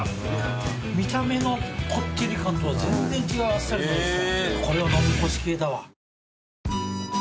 見た目のこってり感とは全然違うあっさりのおいしさ。